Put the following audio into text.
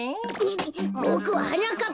ボクははなかっぱだよ。